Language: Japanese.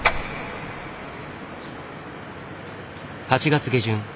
８月下旬。